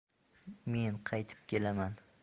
Men qaytib kelaman.